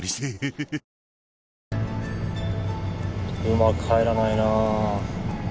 うまく入らないな。